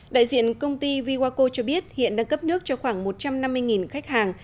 đại diện công ty viwako cho biết hiện đang cấp nước cho khoảng một trăm năm mươi khách hàng